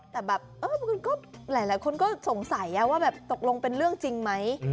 แต่แบบหลายคนก็สงสัยว่าแบบตกลงเป็นเรื่องจริงไหม